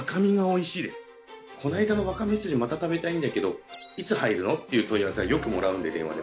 「こないだのわかめ羊また食べたいんだけどいつ入るの？」っていう問い合わせはよくもらうんで電話で。